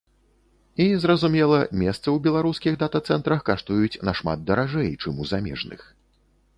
І, зразумела, месцы ў беларускіх дата-цэнтрах каштуюць нашмат даражэй, чым у замежных.